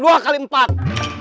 dua kali empat